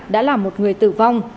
đã là một người tử vong